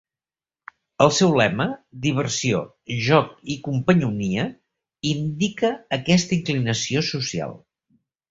El seu lema, "Diversió, joc i companyonia", indica aquesta inclinació social.